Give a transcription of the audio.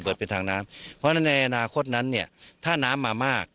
เพราะฉะนั้นในอนาคตนั้นถ้าน้ำมามาก